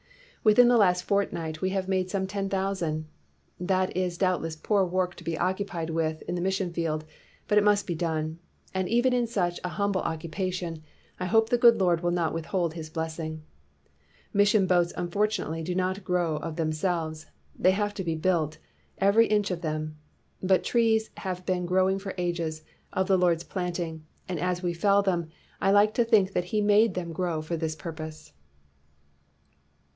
Within the last fortnight we have made some ten thousand. That is doubt less poor work to be occupied with in the mission field, but it must be done ; and even in such a humble occupation I hope the good Lord will not withhold his blessing. Mission boats unfortunately do not grow 261 WHITE MAN OF WORK of themselves — they have to be built, every inch of them. But trees have been growing for ages, of the Lord's planting; and as we fell them, I like to think that he made them grow for this purpose."